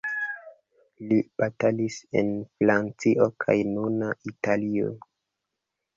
Li batalis en Francio kaj nuna Italio.